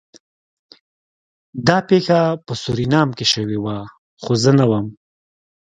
دا پیښه په سورینام کې شوې وه خو زه نه وم